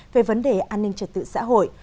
về vấn đề an ninh trật tự xã hội